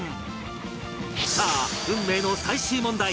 さあ運命の最終問題